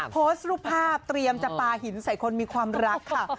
โพสต์รูปภาพเตรียมจะปลาหินใส่คนมีความรักค่ะ